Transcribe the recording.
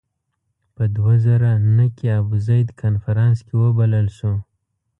په دوه زره نهه کې ابوزید کنفرانس کې وبلل شو.